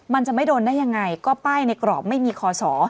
มันจะไม่โดนได้ยังไงก็ป้ายในกรอบไม่มีคอสอ